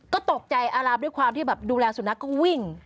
ก็ตกใจอารามด้วยความที่แบบดูแลสุนัขก็วิ่ง